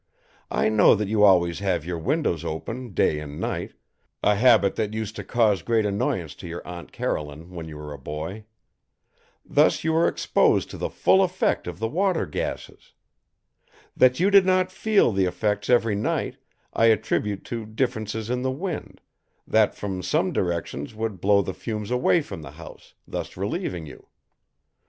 I know that you always have your windows open day and night a habit that used to cause great annoyance to your Aunt Caroline when you were a boy. Thus you were exposed to the full effect of the water gases. That you did not feel the effects every night I attribute to differences in the wind, that from some directions would blow the fumes away from the house, thus relieving you.